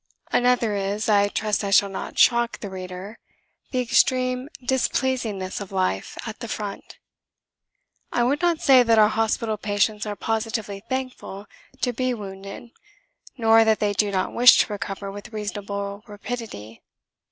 Another is (I trust I shall not shock the reader) the extreme displeasingness of life at the front. I would not say that our hospital patients are positively thankful to be wounded, nor that they do not wish to recover with reasonable rapidity.